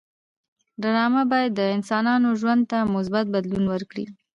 ډرامه باید د انسانانو ژوند ته مثبت بدلون ورکړي